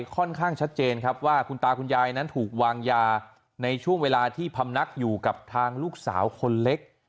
ค่อนข้างชัดเจนครับว่าคุณตาคุณยายนั้นถูกวางยาในช่วงเวลาที่พำนักอยู่กับทางลูกสาวคนเล็ก